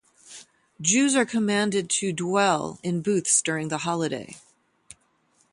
Jews are commanded to "dwell" in booths during the holiday.